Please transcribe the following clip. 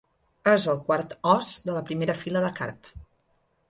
És el quart os de la primera fila de carp.